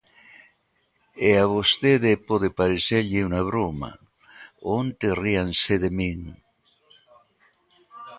E a vostede pode parecerlle unha broma, onte ríanse de min.